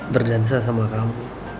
berdansa sama kamu